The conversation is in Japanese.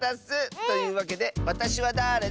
というわけで「わたしはだれだ？」